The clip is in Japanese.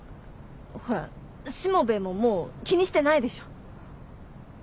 ほらしもべえももう気にしてないでしょ？